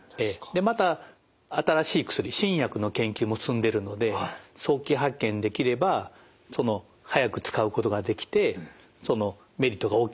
でまた新しい薬新薬の研究も進んでいるので早期発見できれば早く使うことができてメリットが大きいと。